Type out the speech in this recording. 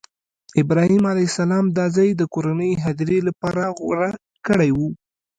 ابراهیم علیه السلام دا ځای د کورنۍ هدیرې لپاره غوره کړی و.